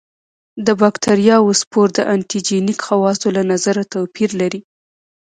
د باکتریاوو سپور د انټي جېنیک خواصو له نظره توپیر لري.